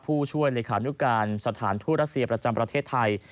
ผู้ช่วยเลขานุการสถานทูตรัสเซียประจำประเทศไทย